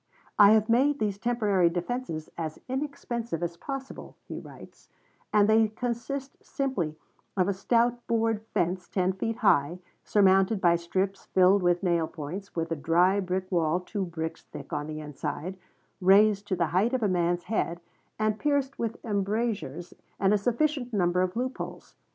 "I have made these temporary defenses as inexpensive as possible," he writes, "and they consist simply of a stout board fence ten feet high, surmounted by strips filled with nail points, with a dry brick wall two bricks thick on the inside, raised to the height of a man's head, and pierced with embrasures and a sufficient number of loop holes.